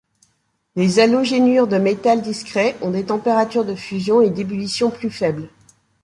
Les halogénures de métal discrets ont des températures de fusion et d'ébullition plus faibles.